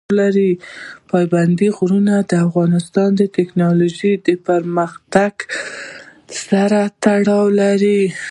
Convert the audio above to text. پابندی غرونه د افغانستان د تکنالوژۍ پرمختګ سره تړاو لري.